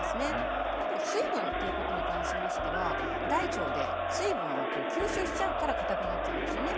あと水分っていうことに関しましては大腸で水分を吸収しちゃうから固くなっちゃうんですよね